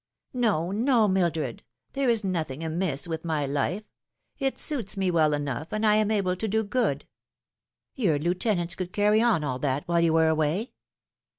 "No, no, Mildred. There is nothing amiss with my life. It suits me well enough, and I am able to do good." " Yonr lieutenants could carry on all that while you were away."